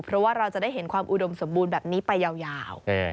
เพราะว่าเราจะได้เห็นความอุดมสมบูรณ์แบบนี้ไปยาว